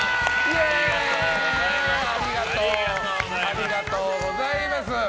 ありがとうございます。